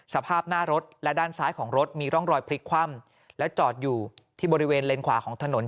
สภาพหน้ารถและด้านซ้ายของรถมีร่องรอยพลิกคว่ำและจอดอยู่ที่บริเวณเลนขวาของถนน